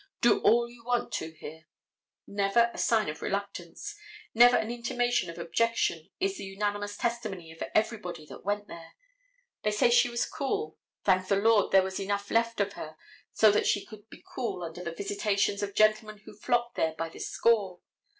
Do all you want to here. Never a sign of reluctance. Never an intimation of objection is the unanimous testimony of everybody that went there. They say she was cool. Thank the Lord there was enough left of her so that she could be cool under the visitations of gentlemen who flocked there by the score.